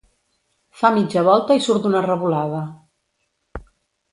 Fa mitja volta i surt d'una revolada.